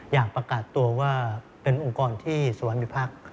อยากประกาศตัวว่าเป็นองค์กรที่สวรรค